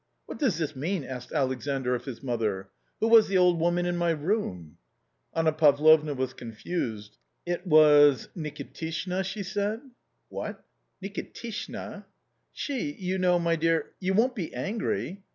" What does this mean ?" asked Alexandr of his mother ;" who was the old woman in my room ?" Anna Pavlovna was confused. "It .... was Nikitishna ?" she said. " What ! Nikitishna ?"" She, you know, my dear .... you won't be angry